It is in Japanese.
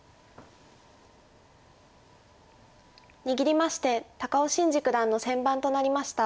握りまして高尾紳路九段の先番となりました。